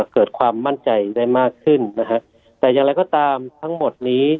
เกิดความมั่นใจได้มากขึ้นนะฮะแต่อย่างไรก็ตามทั้งหมดนี้